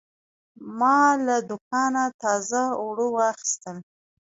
ما له دوکانه تازه اوړه واخیستل.